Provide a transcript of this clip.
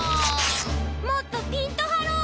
もっとピンとはろう！